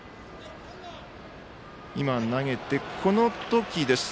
投げて、この時です。